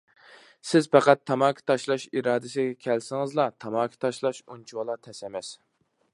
سىز پەقەت تاماكا تاشلاش ئىرادىسىگە كەلسىڭىزلا تاماكا تاشلاش ئۇنچىۋالا تەس ئەمەس.